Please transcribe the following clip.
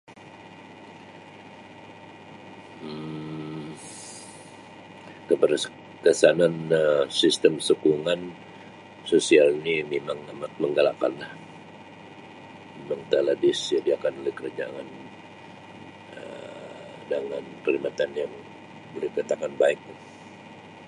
Um Kepada ke-kesanan Um sistem sokongan sosial ni memang amat menggalakkan lah, memang telah disediakan oleh kerajaan Um dalam perkhidmatan yang boleh dikatakan baik lah.